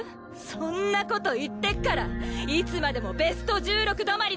そんな事言ってっからいつまでもベスト１６止まりなんだよ！